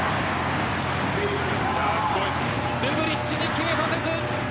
ルブリッチに決めさせず。